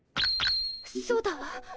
そうだわ。